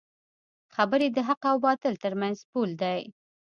خبرې د حق او باطل ترمنځ پول دی